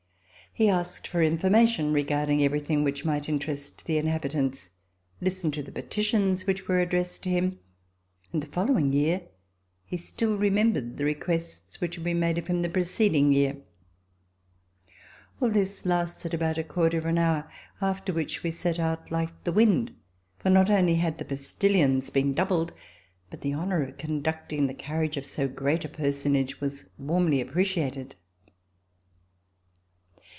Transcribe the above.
He asked for information regarding everything which might interest the inhabitants; listened to the peti tions which were addressed to him; and the following year he still remembered the requests which had been made of him the preceding year. All this lasted about a quarter of an hour, after which we set out like the wind, for not only had the postilions been doubled, but the honor of conducting the carriage of so great a personage was warmly appreciated.